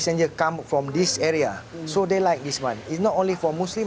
dan juga dari pesiar yang bukan muslim